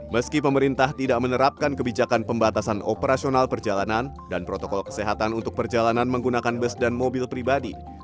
meski pemerintah tidak menerapkan kebijakan pembatasan operasional perjalanan dan protokol kesehatan untuk perjalanan menggunakan bus dan mobil pribadi